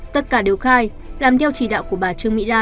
tất cả đều khai làm theo chỉ đạo của bà trương mỹ lan